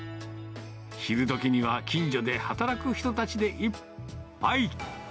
昼時には、近所で働く人たちでいっぱい。